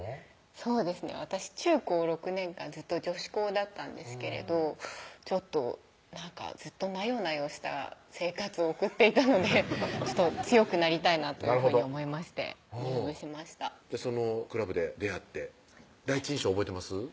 そうですね私中高６年間ずっと女子校だったんですけれどずっとなよなよした生活を送っていたので強くなりたいなというふうに思いまして入部しましたじゃあそのクラブで出会って第一印象覚えてます？